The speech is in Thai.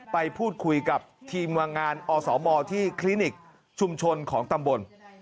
ไปพูดคุยกับทีมวางงานอสมที่คลินิกชุมชนของตำบล